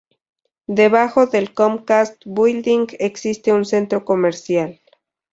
Debajo del Comcast Building existe un centro comercial.